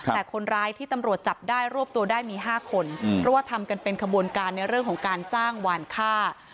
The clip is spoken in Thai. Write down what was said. แต่คนร้ายที่ตำรวจจับได้รวบตัวได้มี๕คนเพราะว่าทำกันเป็นขบวนการในเรื่องของการจ้างหวานฆ่า